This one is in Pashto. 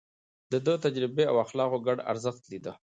ده د تجربې او اخلاقو ګډ ارزښت ليده.